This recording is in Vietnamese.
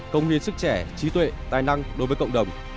công nghiên sức trẻ trí tuệ tài năng đối với cộng đồng